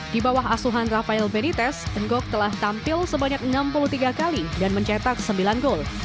di bawah asuhan rafael bennytes tenggok telah tampil sebanyak enam puluh tiga kali dan mencetak sembilan gol